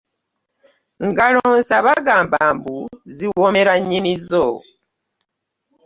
Ngalo nsa bagamba mbu ziwoomera nnyinizo.